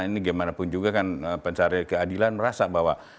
ini bagaimanapun juga kan pensari keadilan merasa bahwa